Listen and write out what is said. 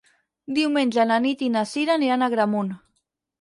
Diumenge na Nit i na Cira aniran a Agramunt.